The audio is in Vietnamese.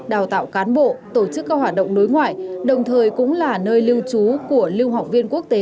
đào tạo cán bộ tổ chức các hoạt động đối ngoại đồng thời cũng là nơi lưu trú của lưu học viên quốc tế